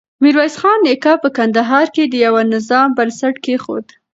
ميرويس خان نيکه په کندهار کې د يوه نظام بنسټ کېښود.